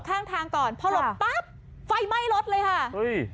ข้างทางก่อนพอหลบปั๊บไฟไหม้รถเลยค่ะเฮ้ย